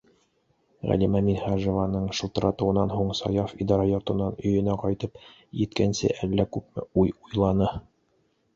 Ғәлимә Минһажеваның шылтыратыуынан һуң Саяф идара йортонан өйөнә ҡайтып еткәнсе әллә күпме уй уйланы.